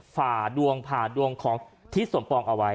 ฝ่าดวงผ่าดวงของทิศสมปองเอาไว้